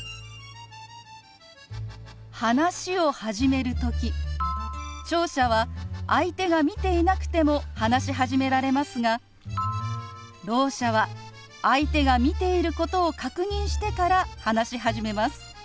話を始める時聴者は相手が見ていなくても話し始められますがろう者は相手が見ていることを確認してから話し始めます。